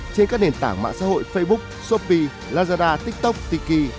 trên các nền tảng mạng xã hội facebook shopee lazada tiktok tiki